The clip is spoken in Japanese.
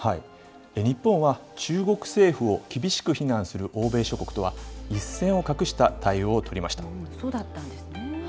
日本は中国政府を厳しく非難する欧米諸国とは、一線を画したそうだったんですね。